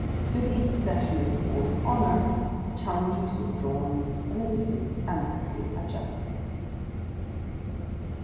Through the intercession of the Board of Honour, the challenge was withdrawn, and the difference amicably adjusted.